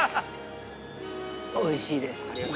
◆おいしいです。